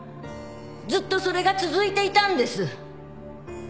ずっとそれが続いていたんです。